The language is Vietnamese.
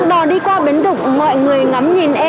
đò đi qua bến đục mọi người ngắm nhìn em